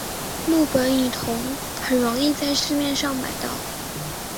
氯苯乙酮很容易在市面上买到。